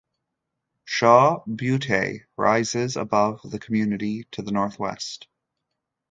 Shaw Butte rises above the community to the northwest.